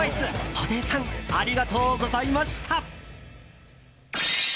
布袋さんありがとうございました。